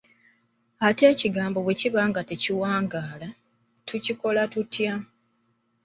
Ate ekigambo bwe kiba nga tekiwangaala, tukikola tutya?